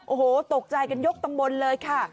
โอ้โหตกใจกันยกตำบลเลยค่ะ